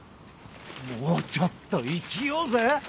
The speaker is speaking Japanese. もうちょっと生きようぜ。